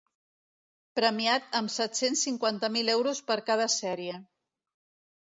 Premiat amb set-cents cinquanta mil euros per cada sèrie.